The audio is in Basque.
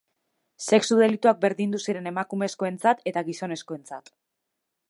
Sexu-delituak berdindu ziren emakumezkoentzat eta gizonezkoentzat.